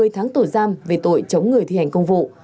một mươi tháng tổ giam về tội chống người thi hành công vụ